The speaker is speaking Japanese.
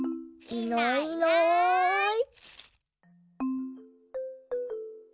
いないいない。